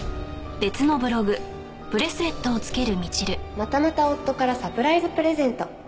「またまた夫からサプライズプレゼント！」